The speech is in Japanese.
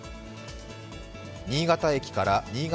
新潟駅から新潟